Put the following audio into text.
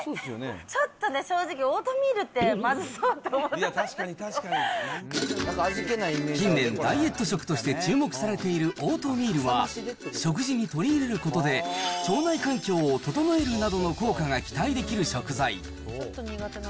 ちょっと正直オートミールって、近年、ダイエット食として注目されているオートミールは、食事に取り入れることで、腸内環境を整えるなどの効果が期待できる食材。